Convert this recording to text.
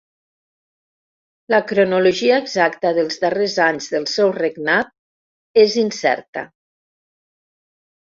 La cronologia exacta dels darrers anys del seu regnat és incerta.